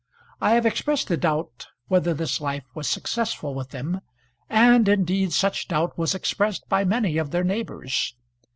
I have expressed a doubt whether this life was successful with them, and indeed such doubt was expressed by many of their neighbours.